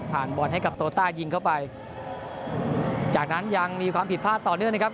บอลให้กับโตต้ายิงเข้าไปจากนั้นยังมีความผิดพลาดต่อเนื่องนะครับ